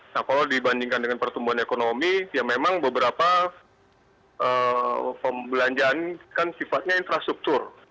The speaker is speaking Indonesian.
nah kalau dibandingkan dengan pertumbuhan ekonomi ya memang beberapa pembelanjaan kan sifatnya infrastruktur